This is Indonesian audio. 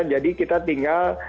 jadi kita tinggal